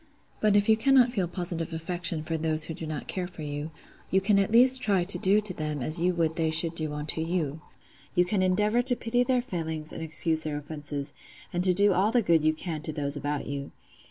But if you cannot feel positive affection for those who do not care for you, you can at least try to do to them as you would they should do unto you: you can endeavour to pity their failings and excuse their offences, and to do all the good you can to those about you.